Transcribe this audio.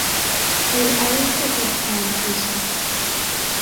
Níl amhras ar bith orm faoi sin.